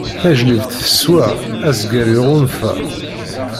Tajlibt teswa, azger iɣunfa.